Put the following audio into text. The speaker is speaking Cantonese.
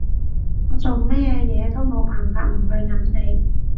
我做咩嘢都冇辦法唔去諗你